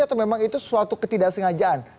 atau memang itu suatu ketidaksengajaan